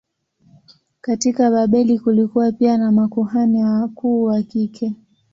Katika Babeli kulikuwa pia na makuhani wakuu wa kike.